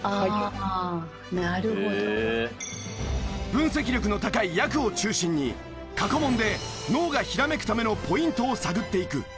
分析力の高いやくを中心に過去問で脳がひらめくためのポイントを探っていく。